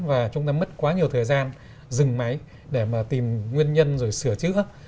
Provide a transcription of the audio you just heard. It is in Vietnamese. và chúng ta mất quá nhiều thời gian dừng máy để mà tìm nguyên nhân rồi sửa chữa